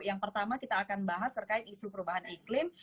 yang pertama kita akan bahas terkait isu perubahan iklim